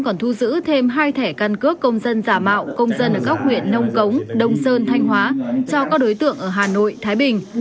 còn thu giữ thêm hai thẻ căn cước công dân giả mạo công dân ở các huyện nông cống đông sơn thanh hóa cho các đối tượng ở hà nội thái bình